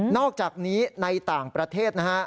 อกจากนี้ในต่างประเทศนะฮะ